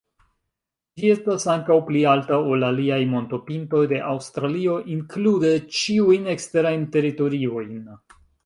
Ĝi estas ankaŭ pli alta ol aliaj montopintoj de Aŭstralio, inklude ĉiujn eksterajn teritoriojn.